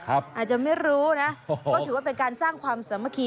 อาจจะไม่รู้นะก็ถือว่าเป็นการสร้างความสามัคคี